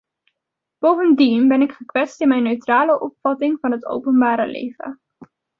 Bovendien ben ik gekwetst in mijn neutrale opvatting van het openbare leven.